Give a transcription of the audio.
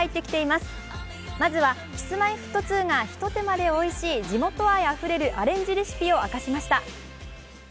まずはＫｉｓ−Ｍｙ−Ｆｔ２がひと手間でおいしい、地元愛あふれるアレンジレシピを明かしました。